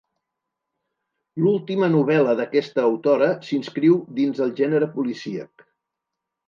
L'última novel·la d'aquesta autora s'inscriu dins el gènere policíac.